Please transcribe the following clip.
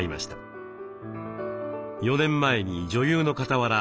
４年前に女優のかたわら